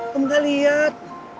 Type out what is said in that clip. kamu gak lihat